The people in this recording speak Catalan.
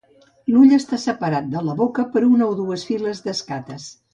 L'ull està separat de la boca per una o dues files d'escates.